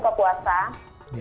kemudian kalau misalnya